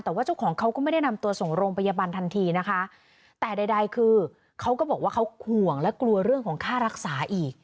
แต่ว่าเจ้าของเขาก็ไม่ได้นำตัวส่งโรงพยาบาลทันทีนะคะแต่ใดใดคือเขาก็บอกว่าเขาห่วงและกลัวเรื่องของค่ารักษาอีก